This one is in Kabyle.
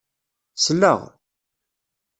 Sleɣ.